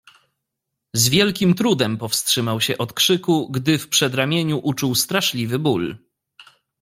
"Z wielkim trudem powstrzymał się od krzyku, gdy w przedramieniu uczuł straszliwy ból."